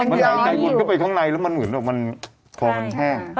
มันหายใจวนไปข้างในแล้วมันเหมือนข้อมันแข้ง